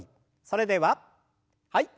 それでははい。